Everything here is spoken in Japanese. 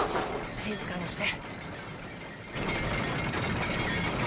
静かにして。